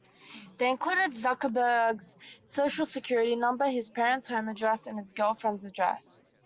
They included Zuckerberg's Social Security number, his parents' home address, and his girlfriend's address.